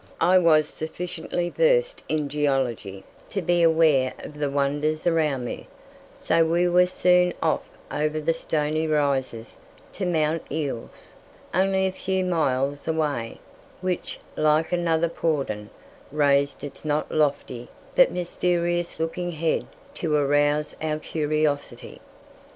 I was sufficiently versed in geology to be aware of the wonders around me, so we were soon off over the Stony Rises to Mount Eeles, only a few miles away, which, like another Porndon, raised its not lofty but mysterious looking head to arouse our curiosity.